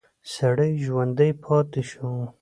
سړی ژوندی پاتې شو.